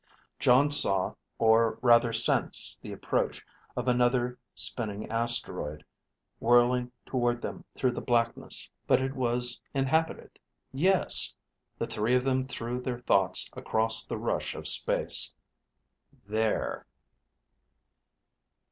_ Jon saw, or rather sensed the approach of another spinning asteroid, whirling toward them through the blackness. But it was inhabited. Yes! The three of them threw their thoughts across the rush of space. _There....